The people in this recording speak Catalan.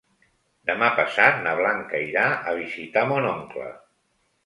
Demà passat na Blanca irà a visitar mon oncle.